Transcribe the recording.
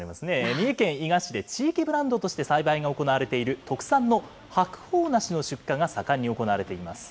三重県伊賀市で地域ブランドとして栽培が行われている特産の白鳳梨の出荷が盛んに行われています。